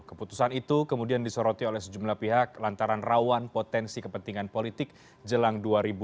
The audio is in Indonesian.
keputusan itu kemudian disoroti oleh sejumlah pihak lantaran rawan potensi kepentingan politik jelang dua ribu dua puluh